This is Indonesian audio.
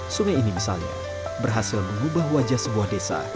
sungai ini misalnya berhasil mengubah wajah sebuah desa